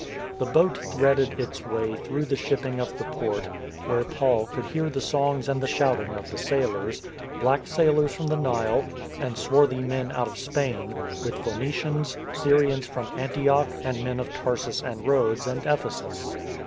The boat threaded its way through the shipping of the port, where Paul could hear the songs and the shouting of the sailors, black sailors from the Nile, and swarthy men out of Spain, with Phoenicians, Syrians from Antioch and men of Tarsus and Rhodes and Ephesus.